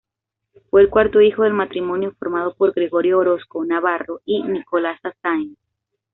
Fue el cuarto hijo del matrimonio formado por Gregorio Orozco Navarro y Nicolasa Sáinz.